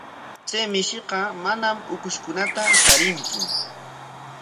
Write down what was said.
Chay mishiqa manam ukushkunata charintsu.